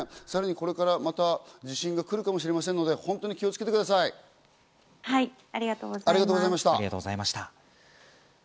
さらにこれから地震が来るかもしれませんので本当に気をつけてください。